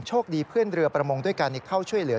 โชคดีเพื่อนเรือประมงด้วยการนิข้าวช่วยเหลือ